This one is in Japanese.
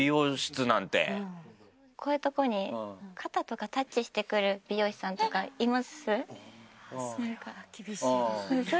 こういうとこに肩とかタッチしてくる美容師さんとかいます？